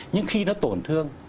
nhưng khi nó tổn thương